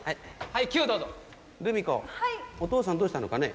はいキューどうぞルミ子お父さんどうしたのかね？